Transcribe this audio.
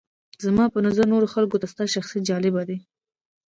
زما په نظر نورو خلکو ته ستا شخصیت جالبه دی.